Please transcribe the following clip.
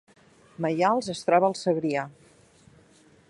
Maials es troba al Segrià